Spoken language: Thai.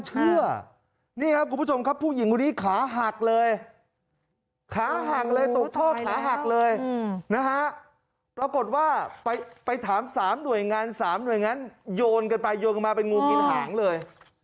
๓หน่วยงาน๓หน่วยงานโยนกันไปโยนกันมาเป็นงูกินหางเลย